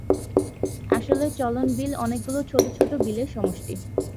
আসলে চলনবিল অনেকগুলো ছোট ছোট বিলের সমষ্টি।